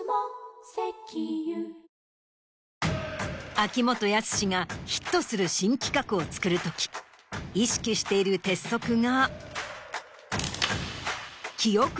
秋元康がヒットする新企画を作るとき意識している鉄則が。